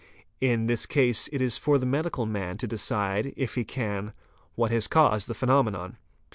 In this case it is for the medical man to decide, if he can, what has caused the phenomenon.